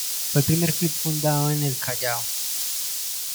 Fue el primer club fundado en el Callao.